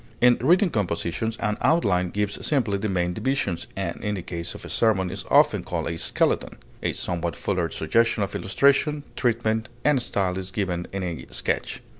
In written composition an outline gives simply the main divisions, and in the case of a sermon is often called a skeleton; a somewhat fuller suggestion of illustration, treatment, and style is given in a sketch.